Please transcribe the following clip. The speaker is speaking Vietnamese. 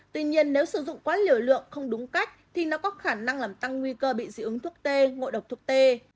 tuy nhiên nếu sử dụng quá liều lượng không đúng cách thì nó có khả năng làm tăng nguy cơ bị dị ứng thuốc tê ngội độc thuốc tê